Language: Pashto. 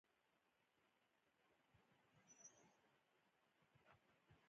ژورې سرچینې د افغانستان د جغرافیوي تنوع یو څرګند او ښه مثال دی.